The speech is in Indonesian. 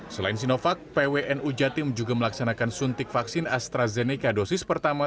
selain sinovac pwnu jatim juga melaksanakan suntik vaksin astrazeneca dosis pertama